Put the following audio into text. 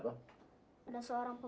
menjadi kemampuan anda